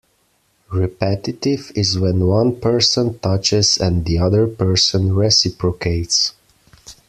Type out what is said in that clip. Repetitive is when one person touches and the other person reciprocates.